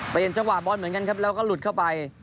จังหวะบอลเหมือนกันครับแล้วก็หลุดเข้าไป